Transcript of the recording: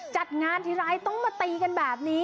จัดงานทีไรต้องมาตีกันแบบนี้